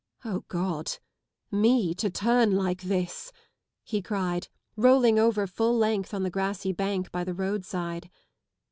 " God, me to turn like this! " he cried, rolling over fulMength on the grassy bank by the roadside.